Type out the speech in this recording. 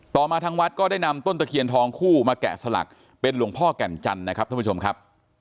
มาทางวัดก็ได้นำต้นตะเคียนทองคู่มาแกะสลักเป็นหลวงพ่อแก่นจันทร์นะครับท่านผู้ชมครับ